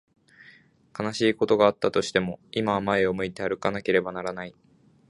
悲しいことがあったとしても、今は前を向いて歩かなければならない。